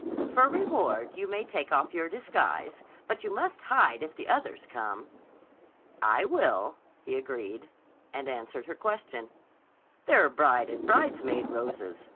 For reward you may take off your disguise, but you must hide if the others come." "I will," he agreed, and answered her question: "They're bride and bridesmaid roses.